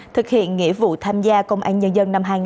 thực hiện nghĩa vụ tham gia công an nhân dân năm hai nghìn hai mươi